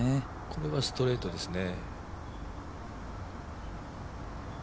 これはストレートですね。